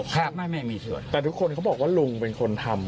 แต่ทุกคนเขาบอกว่าลุงเป็นคนทำ